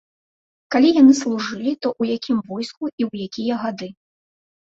Калі яны служылі, то ў якім войску і ў якія гады.